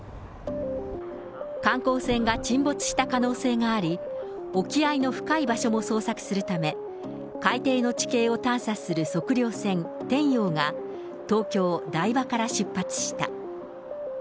観光船が沈没した可能性があり、沖合の深い場所も捜索するため、海底の地形を探査する測量船、天洋が、東京・台場から出発した。